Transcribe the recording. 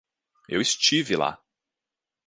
Eu estive lá